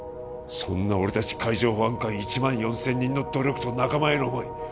そんな俺達海上保安官１万４０００人の努力と仲間への思い